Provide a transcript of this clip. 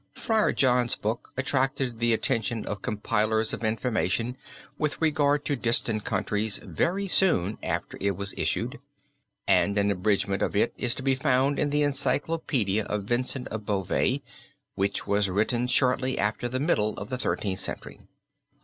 Friar John's book attracted the attention of compilers of information with regard to distant countries very soon after it was issued, and an abridgment of it is to be found in the Encyclopedia of Vincent of Beauvais, which was written shortly after the middle of the Thirteenth Century.